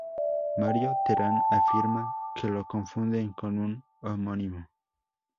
Mario Terán afirma que lo confunden con un homónimo.